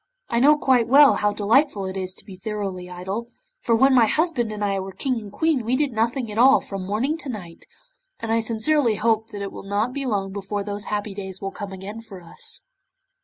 I know quite well how delightful it is to be thoroughly idle, for when my husband and I were King and Queen we did nothing at all from morning to night, and I sincerely hope that it will not be long before those happy days will come again for us.